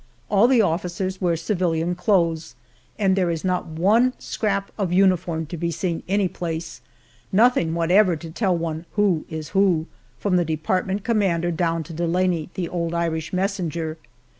All the officers wear civilian clothes, and there is not one scrap of uniform to be seen any place nothing whatever to tell one "who is who," from the department commander down to Delaney, the old Irish messenger!